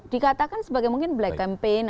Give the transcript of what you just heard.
dikatakan sebagai mungkin black campaign